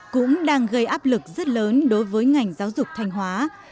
cũng đang gây áp lực rất lớn đối với ngành giáo dục thanh hóa